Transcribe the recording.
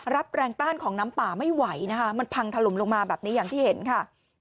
รับแรงต้านของน้ำป่าไม่ไหวนะคะมันพังถล่มลงมาแบบนี้อย่างที่เห็นค่ะ